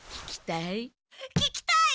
聞きたい？